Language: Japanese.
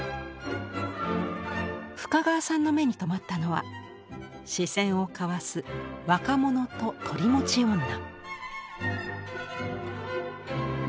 深川さんの目に留まったのは視線を交わす「若者と取り持ち女」。